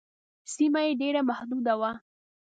سیمه یې ډېره محدوده وه.